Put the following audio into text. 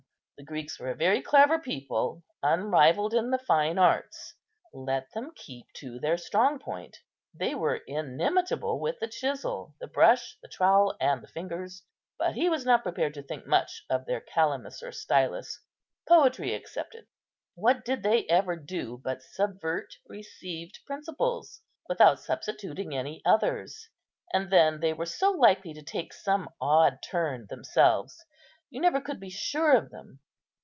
The Greeks were a very clever people, unrivalled in the fine arts; let them keep to their strong point; they were inimitable with the chisel, the brush, the trowel, and the fingers; but he was not prepared to think much of their calamus or stylus, poetry excepted. What did they ever do but subvert received principles without substituting any others? And then they were so likely to take some odd turn themselves; you never could be sure of them.